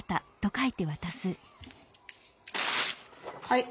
はい。